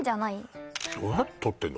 ホントだどうやって撮ってんの？